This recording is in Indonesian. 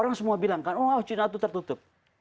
orang semua bilang kan oh cina itu tertutup